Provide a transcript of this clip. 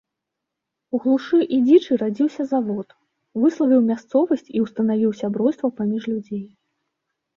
У глушы і дзічы радзіўся завод, выславіў мясцовасць і ўстанавіў сяброўства паміж людзей.